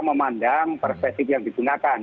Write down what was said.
memandang perspektif yang digunakan